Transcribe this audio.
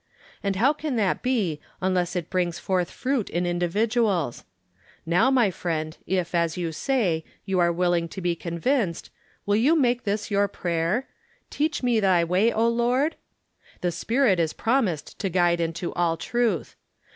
And how can that be unless it brings forth fruit in individuals ? Now, my friend, if, as you say, you are wilhng to be convinced, will you make this your prayer, ' Teach me thy way, O Lord ?' 'J'he Spirit is promised to guide into all truth.